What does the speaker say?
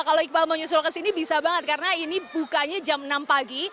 kalau iqbal mau nyusul ke sini bisa banget karena ini bukanya jam enam pagi